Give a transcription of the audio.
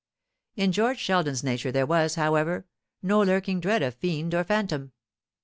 In George Sheldon's nature there was, however, no lurking dread of fiend or phantom.